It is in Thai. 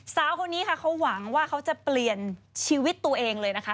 สาวคนนี้ค่ะเขาหวังว่าเขาจะเปลี่ยนชีวิตตัวเองเลยนะคะ